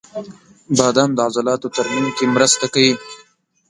• بادام د عضلاتو ترمیم کې مرسته کوي.